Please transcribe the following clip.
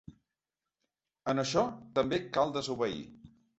En això també cal desobeir.